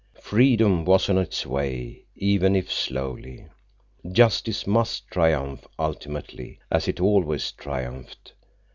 Freedom was on its way, even if slowly. Justice must triumph ultimately, as it always triumphed.